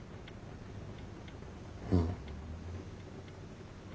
うん。